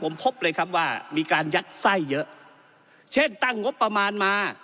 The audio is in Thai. ผมพบเลยครับว่ามีการยัดไส้เยอะเช่นตั้งงบประมาณมา